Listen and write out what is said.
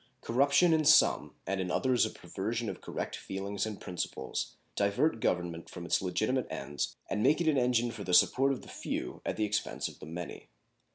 Corruption in some and in others a perversion of correct feelings and principles divert government from its legitimate ends and make it an engine for the support of the few at the expense of the many.